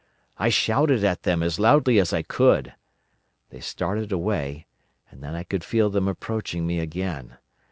I shouted at them as loudly as I could. They started away, and then I could feel them approaching me again.